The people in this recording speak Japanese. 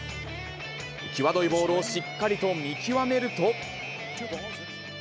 際どいボールをしっかりと見極めると。